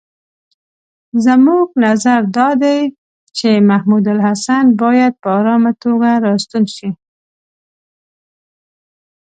زموږ نظر دا دی چې محمودالحسن باید په آرامه توګه را ستون شي.